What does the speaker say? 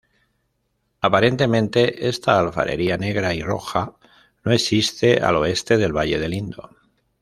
Aparentemente esta alfarería negra y roja no existe al oeste del valle del Indo.